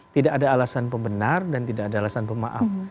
tidak ada alasan pembenar dan tidak ada alasan pemaaf